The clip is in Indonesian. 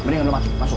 mendingan lo mati masuk